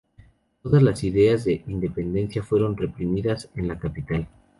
Todas las ideas de independencia fueron reprimidas en la capital.